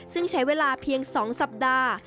ซึ่งใช้เวลาเพียง๒สัปดาห์